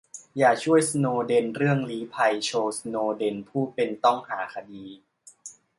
อย่าช่วยสโนว์เดนเรื่องลี้ภัย ชี้สโนว์เดนเป็นผู้ต้องหาคดี